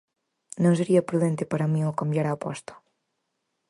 "Non sería prudente para min o cambiar a aposta"."